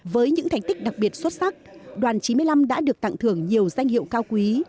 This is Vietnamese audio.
với những thành tích đặc biệt xuất sắc đoàn chín mươi năm đã được tặng thưởng nhiều danh hiệu cao quý